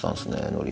のり。